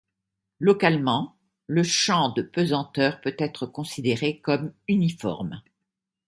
Localement, le champ de pesanteur peut être considéré comme uniforme.